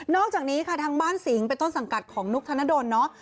อกจากนี้ค่ะทางบ้านสิงห์เป็นต้นสังกัดของนุกธนดลเนาะ